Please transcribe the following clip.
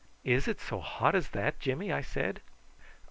"Is it so hot as that, Jimmy?" I said.